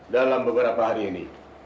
dalam beberapa hari ini